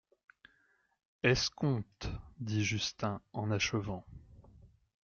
Escompte, dit Justin en achevant.